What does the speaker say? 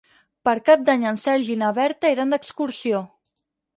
Per Cap d'Any en Sergi i na Berta iran d'excursió.